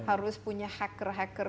harus punya hacker hacker